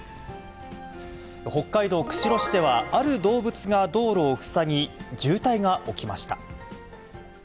北海道釧路市では、ある動物が道路を塞ぎ、渋滞が起きました。